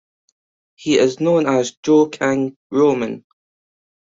He is known as Joe King Roman.